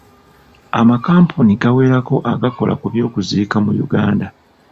Amakampuni gawerako agakola ku by'okuziika mu Uganda.